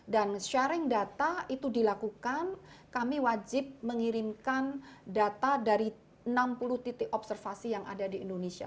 dan sharing data itu dilakukan kami wajib mengirimkan data dari enam puluh titik observasi yang ada di indonesia